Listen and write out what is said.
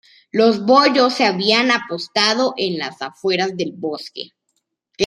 Los boyos se habían apostado en las afueras del bosque.